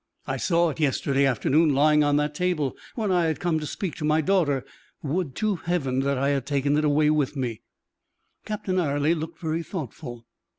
I saw it yesterday afternoon lying on that table, when I had come to speak to my daughter. Would to Heaven I had taken it away with me!" Captain Ayrley looked very thoughtful.